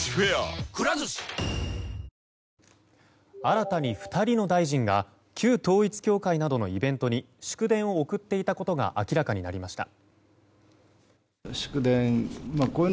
新たに２人の大臣が旧統一教会などのイベントに祝電を送っていたことが明らかになりました。